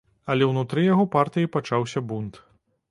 Але ўнутры яго партыі пачаўся бунт.